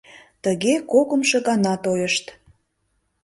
Тыге кокымшо гана тойышт.